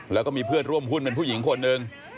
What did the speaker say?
แล้วก็มีเพื่อนร่วมหุ้นเป็นผู้หญิงคนหนึ่ง